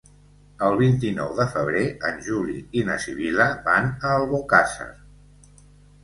El vint-i-nou de febrer en Juli i na Sibil·la van a Albocàsser.